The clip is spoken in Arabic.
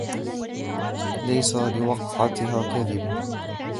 ليس لوقعتها كاذبة